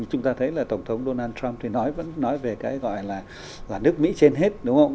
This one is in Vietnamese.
chúng ta thấy là tổng thống donald trump thì nói vẫn nói về cái gọi là nước mỹ trên hết đúng không